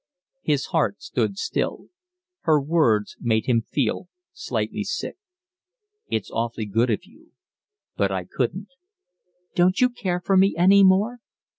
His heart stood still. Her words made him feel slightly sick. "It's awfully good of you, but I couldn't." "Don't you care for me any more?"